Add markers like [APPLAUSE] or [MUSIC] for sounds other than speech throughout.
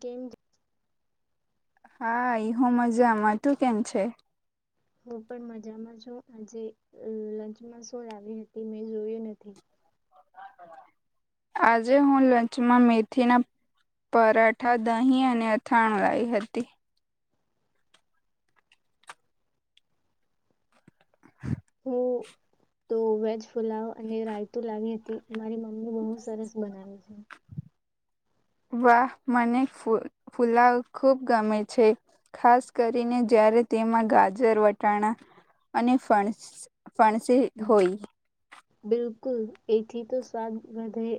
કેમ હા ઈ હો મજામાં તું કેમ છે હું પણ મજામાં છું આજે લંચમાં શું લાવી હતી મેં જોયું નથી આજે હું લંચમાં મેથીના પરાઠા દહીં અને અથાણું લાઈ હતી હું તો વેજ ફુલાવ અને રાયતું લાવી હતી મારી [UNINTELLIGIBLE] સરસ બનાવે છે વાહ મને ફુ ફુલાવ ખૂબ ગમે છે ખાસ કરીને જ્યારે તેમાં ગાજર વટાણા અને ફણ ફણસી હોઈ બિલકુલ એથી તો સ્વાદ વધે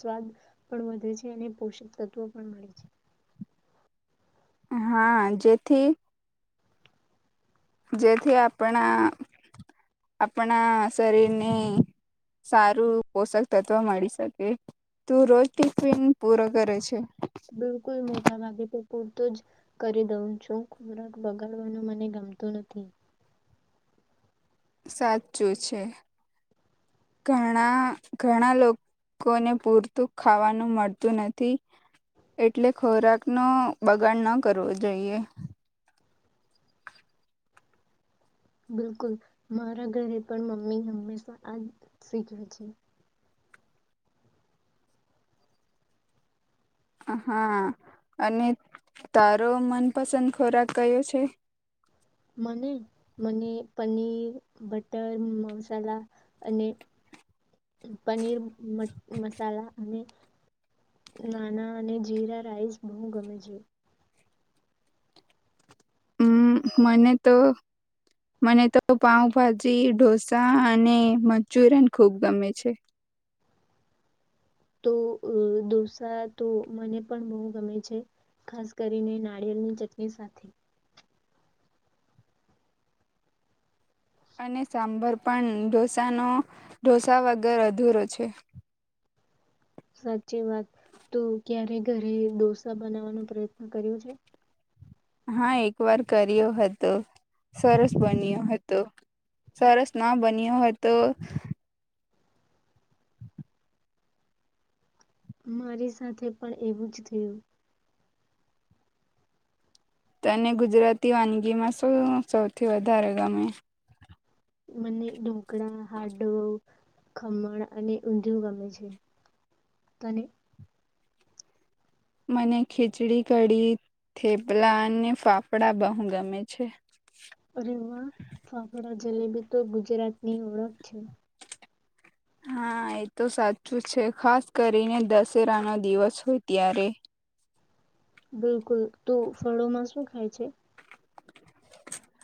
સ્વાદ પણ વધે છે અને પોષક તત્વો પણ મળે છે. હા જેથી જેથી આપણા આપણા શરીરને સારું પોષક તત્વ મળી શકે તું રોજ ટિફિન પૂરો કરે છે. બિલકુલ મોટા ભાગે તો પૂરતું જ કરી દઉં છું ખોરાક બગાડવાનું મને ગમતું નથી. સાચું છે ઘણા ઘણા લોકોને પૂરતું ખાવાનું મળતું નથી એટલે ખોરાક નો બગાડ ન કરવો જોઈએ. બિલકુલ મારા ઘરે પણ મમ્મી હંમેશા આજ શીખ્યું છે. હા અને તારો મનપસંદ ખોરાક કયો છે. મને મને પનીર બટર મસાલા અને પનીર મ મસાલા અને નાના અને જીરા રાઈસ બહુ ગમે છે. હમ મને તો મને તો પાઉભાજી ઢોસા અને મંચુરિયન ખુબ ગમે છે. તો અ ડોસા તો મને પણ બહુ ગમે છે ખાસ કરીને નારિયેળની ચટણી સાથે અને સાંભર પણ ઢોસાનો ઢોંસા વગર અધૂરો છે. સાચી વાત તું ક્યારે ઘરે ઢોસા બનાવવાનો પ્રયત્ન કર્યો છે. હા એક વાર કર્યો હતો સરસ બન્યો હતો સરસ ના બન્યો હતો. મારી સાથે પણ એવું જ થયું તને ગુજરાતી વાનગીમાં શું સૌથી વધારે ગમે મને ઢોકળા હાંડો ખમણ અને ઊંધિયું ગમે છે તને મને ખીચડી કડી થેપલા અને ફાફડા બહુ ગમે છે. અરે વાહ! ફાફડા જલેબી તો ગુજરાતની ઓળખ છે. હા એ તો સાચું છે ખાસ કરીને દશેરાનો દિવસ હોય ત્યારે બિલકુલ તો ફળોમાં શું ખાય છે.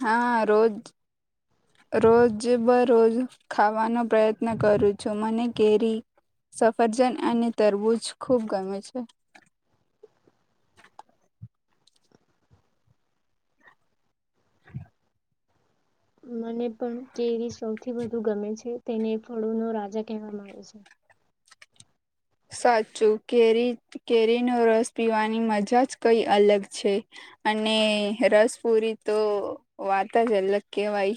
હા રોજ રોજ બરોજ ખાવાનો પ્રયત્ન કરું છું મને કેરી સફરજન અને તરબૂજ ખૂબ ગમે છે. મને પણ કેરી સૌથી વધુ ગમે છે તેને ફળો નો રાજા કહેવામાં આવે છે. સાચું કેરી કેરીનો રસ પીવાની મજા જ કઈ અલગ છે અને રસપુરી તો વાત જ અલગ કેવાય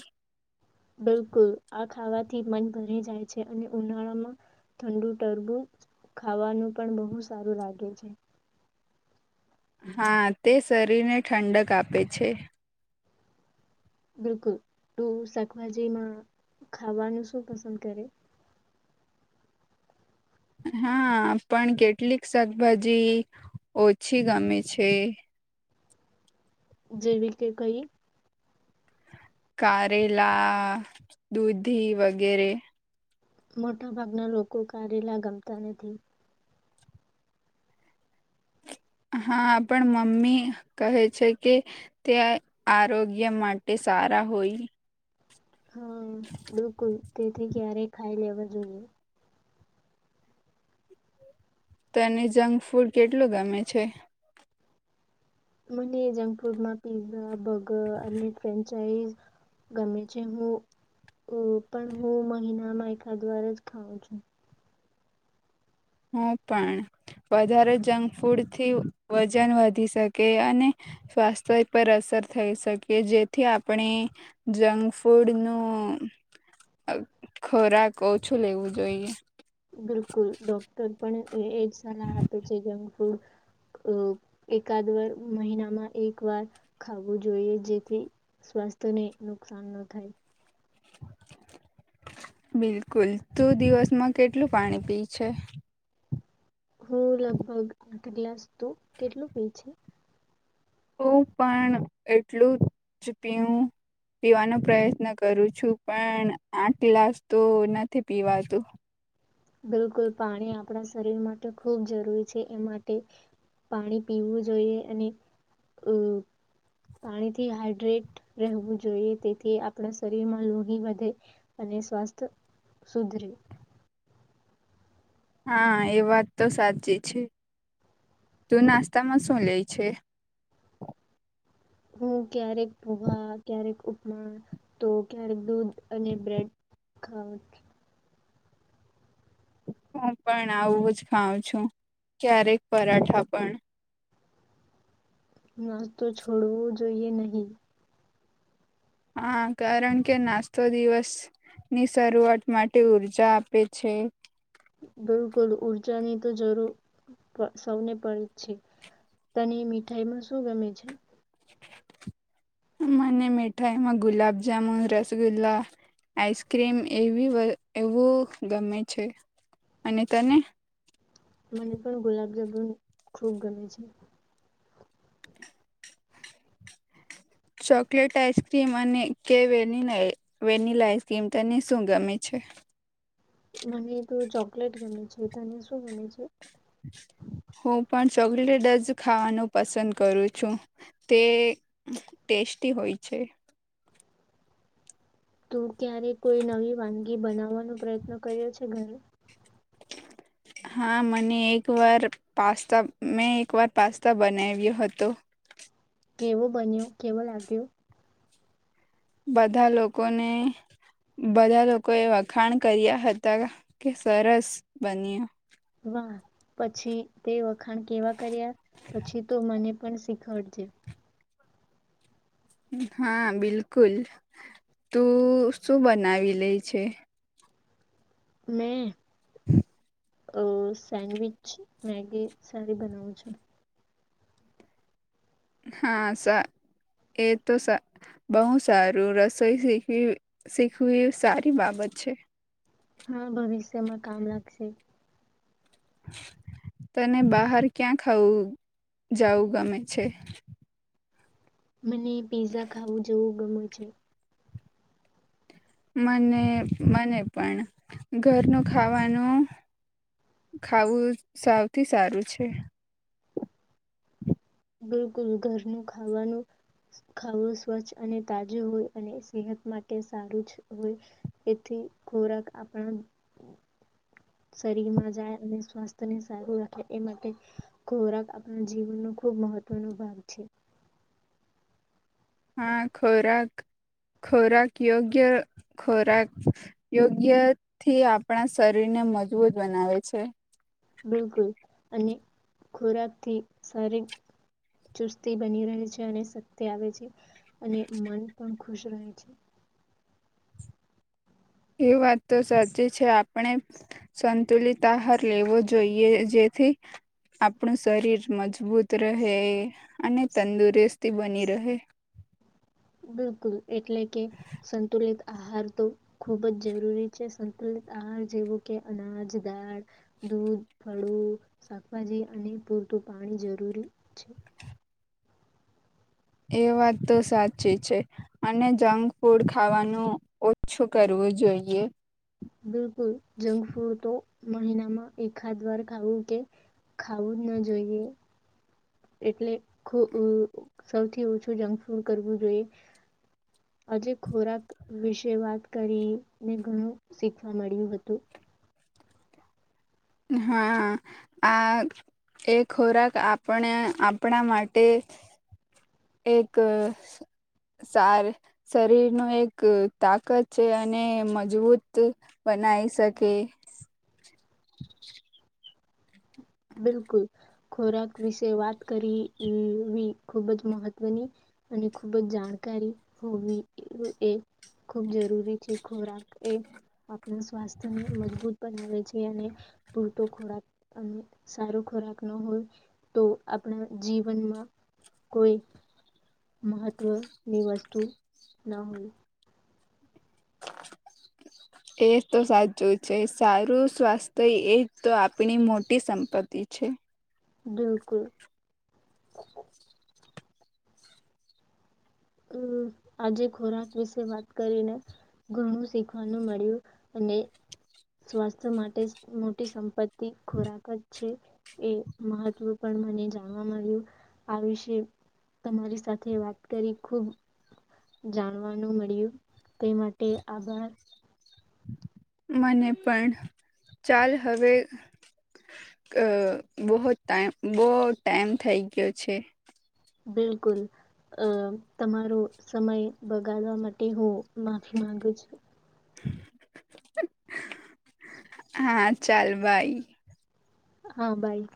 બિલકુલ આ ખાવાથી મન ભરી જાય છે અને ઉનાળામાં ઠંડુ ટરબુચ ખાવાનું પણ બહુ સારું લાગે છે. હા તે શરીરને ઠંડક આપે છે. બિલકુલ તું શાકભાજીમાં ખાવાનું શું પસંદ કરે હા પણ કેટલીક શાકભાજી ઓછી ગમે છે. જેવી કે કઈ કારેલા દૂધી વગેરે મોટા ભાગના લોકો કારેલા ગમતા નથી. હા પણ મમ્મી કહે છે કે ત્યાં આરોગ્ય માટે સારા હોય હા બિલકુલ તેથી ક્યારેય ખાઈ લેવા જોઈએ તો એને જંક ફૂડ કેટલું ગમે છે. મને જંક ફૂડ માં પીઝા બગ અ ફ્રેન્ ગમે છે હું પણ હું મહિના મા એકખા દ્વાર જ ખઉં છું. હ પણ વધારે જંક ફૂડથી વજન વધી શકે અને સ્વાસ્થ્ય પર અસર થઈ શકે જેથી આપણે જંક ફૂડ નું ખોરાક ઓછું લેવું જોઈએ બિલકુલ ડોક્ટર પણ એ એ જ સલાહ આપે છે જેમ એકાદ વાર મહિનામાં એક વાર ખવું જોઈએ જેથી સ્વાસ્થ્યને નુકસાન ન થાય બિલકુલ તું દિવસમાં કેટલું પાણી પી છે. હું લગભગ આઠ ગ્લાસ તો કેટલું પી છે. હું પણ એટલું જ પી પીવાનો પ્રયત્ન કરું છું પણ આઠ ગ્લાસ તો નથી પીવાતું. બિલકુલ પાણી આપણા શરીર માટે ખૂબ જરૂરી છે એ માટે, પાણી પીવું જોઈએ અને અ પાણીથી હાઈડ્રેટ રહેવું જોઈએ તેથી આપણા શરીરમાં લોહી વધે, અને સ્વાસ્થ્ય સુધરે. હા એ વાત તો સાચી છે, તું નાસ્તામાં શું લે છે? હું ક્યારેક ભોવા ક્યારેક ઉપમા તો ક્યારેક દૂધ અને બ્રેડ ખઉ. હું પણ આવું જ ખાઉં છું, ક્યારેક પરાઠા પણ. ના તો છોડવું જોઈએ નહી. હા કારણ કે નાસ્તો દિવસ ની શરૂઆત માટે ઊર્જા આપે છે. બિલકુલ ઊર્જાની તો જરૂર સૌને પડે છે, તની મીઠાઈમાં શું ગમે છે? મને મીઠાઈમાં ગુલાબજામુન રસગુલ્લા, આઈસક્રીમ એવી એવું ગમે છે, અને તને? મને પણ ગુલાબ જામુન ખૂબ ગમે છે. ચોકલેટ આઈસક્રીમ અને કે વેનિલા આઈસક્રીમ તને શું ગમે છે? મને તો ચોકલેટ ગમે છે. જેતાની શું બ છે? હું પણ ચોકલેટ જ ખાવાનું પસંદ કરું છું, તે ટેસ્ટી હોય છે. તું ક્યારે કોઈ નવી વાનગી બનાવવાનો પ્રયત્ન કર્યો છે ઘરે? હા મને એક વાર પાસ્તા મેં એક વાર પાસ્તા બનાવ્યો હતો. કેવો બન્યો કેવો લાગ્યો? બધા લોકોને બધા લોકો એ વખાણ કર્યા હતા કે સરસ બન્યો. પછી તે વખત ખાણ કેવા કર્યા પછી તો મને પણ શીખવડ છે. હા બિલકુલ, તું શું બનાવી લે છે? મેં [INAUDIBLE] અ સેન્ડવિચ મેગી સારી બનાવું છું. હા એ તો બહુ સારું રસોઈ શીખવી શીખવી સારી બાબત છે. હા ભવિષ્યમાં કામ લાગશે. તને બહાર ક્યાં ખાવું જવું ગમે છે? મને પીઝઝા ખાવું જેવું ગમે છે. મને મને પણ, ઘરનો ખાવાનું ખાવું સૌથી સારું છે. બિલકુલ ઘરનું ખાવાનું, ખાવું સ્વચ્છ અને તાજો હોય અને સેહત માટે સારું જ હોય, તેથી ખોરાક આપણા શરીરમાં જાય અને સ્વાસ્થ્યને સારું રાખે એ માટે, ખોરાક આપણા જીવનનો ખૂબ મહત્વનો ભાગ છે. હા ખોરાક ખોરાક યોગ્ય ખોરાક યોગ્ય થી આપણા શરીરને મજબૂત બનાવે છે. બિલકુલ, અને ખોરાક થી સારી ચુસ્તી બની રહે છે શક્તિ આવે છે. અને મન પણ ખુશ રહી છે. એ વાત તો સાચી છે આપણે સંતુલિત આહાર લેવો જોઈએ જેથી, આપણું શરીર મજબૂત રહે અને તંદુરસ્તી બની રહે. બિલકુલ. એટલે કે સંતુલિત આહાર તો ખૂબ જ જરૂરી છે સંતુલિત આહાર જેવો કે અનાજ દાળ દૂધ. કળું, શાકભાજી અને પૂરતું પાણી જરૂરી છે. એ વાત તો સાચી છે, અને જંક ફૂડ ખાવાનું ઓછું કરવું જોઈએ. બિલકુલ. જંક ફૂડ તો મહિનામાં એકાદ વાર ખાવું કે ખાવું જ ન જોઈએ. એટલે ખૂ ઉ સૌથી ઓછું જંક ફૂડ કરવું જોઈએ આજે ખોરાક વિશે વાત કરીને ઘણું શીખવા મળ્યું હતું. હા આ એ ખોરાક આપણે આપણા માટે એક સાર શરીર નું એક તાકત છે અને મજબૂત બનાવી શકે. [INAUDIBLE] બિલકુલ ખોરાક વિશે વાત કરીવી ખૂબ જ મહત્વની અને ખૂબ જ જાણકારી હોવી એ ખૂબ જરૂરી છે. ખોરાક એ આપણા સ્વાસ્થ્યને મજબૂત બનાવે છે અને પૂરતો ખોરાક અને સારું ખોરાક ન હોય તો આપણા જીવનમાં કોઈ મહત્ત્વની વસ્તુ ન હોય. એ તો સાચું છે સારું સ્વાસ્થ્ય એજ તો આપણી મોટી સંપત્તિ છે. બિલકુલ. હમ્મ આજે ખોરાક વિશે વાત કરીને ઘણું શીખવાનું મળ્યું અને સ્વાસ્થ્ય માટે મોટી સંપત્તિ ખોરાક જ છે એ મહત્વ પણ મને જાણવા મળ્યું આ વિશે તમારી સાથે વાત કરી ખુબ જાણવાનું મળ્યું તે માટે આભાર. મને પણ ચાલ હવે ક બહુત ટાઇમ બહ ટાઈમ થઈ ગયો છે. બિલકુલ અ તમારો સમય બગાડવા માટે હું માફી માંગુ છું. [UNINTELLIGIBLE] હા ચાલ બાય. હા બાય.